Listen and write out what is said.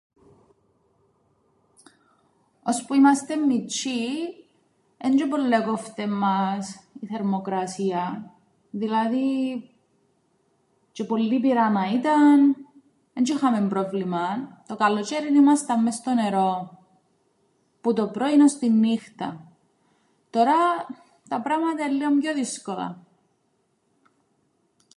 Ώσπου ήμαστεν μιτσ̆ιοί έντζ̆' επολλο΄εκοφτεν μας η θερμοκρασία, δηλαδή τζ̆αι πολλή πυρά να ήταν εν τζ̆αι είχαμεν πρόβλημαν. Το καλοτζ̆αίριν ήμασταν μες το νερόν που το πρωίν ώς την νύχταν, τωρά τα πράματα εν' λλίον πιο δύσκολα.